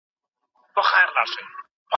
سياسي قدرت بايد د زور پر ځای په مينه ترلاسه سي.